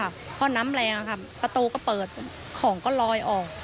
เพราะน้ำแรงประตูก็เปิดของก็ลอยออก